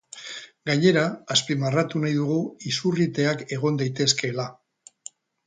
Gainera, azpimarratu nahi dugu izurriteak egon daitezkeela.